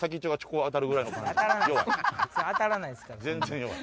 当たらないっすから。